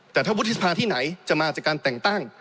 แต่ถ้าวุฒิสภาที่ไหนจะมาจากการแต่งตั้ง